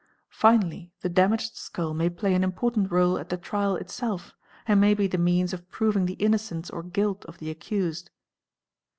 Finally, the damaged skull may play an important réle at the trial itself and may be the means of proving the innocence or guilt of the accused.